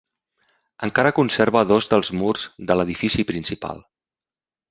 Encara conserva dos dels murs de l'edifici principal.